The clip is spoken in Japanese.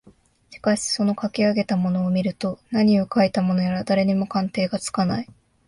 しかしそのかき上げたものを見ると何をかいたものやら誰にも鑑定がつかない